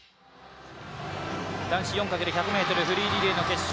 男子４×１００ｍフリーリレーの決勝